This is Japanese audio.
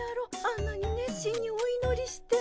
あんなに熱心においのりして。